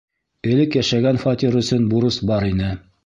Элек йәшәгән фатир өсөн бурыс бар ине...